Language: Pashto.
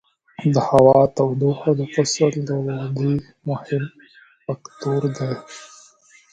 د هوا تودوخه د فصل د ودې مهم فکتور دی.